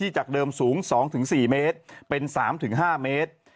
จากเดิมสูง๒๔เมตรเป็น๓๕เมตร